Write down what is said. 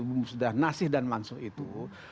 bum sudah nasih dan mansoh itu